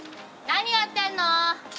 何やってんの？